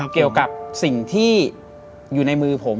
เกี่ยวกับสิ่งที่อยู่ในมือผม